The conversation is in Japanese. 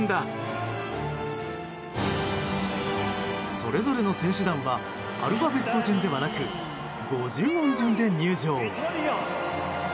それぞれの選手団はアルファベット順ではなく五十音順で入場。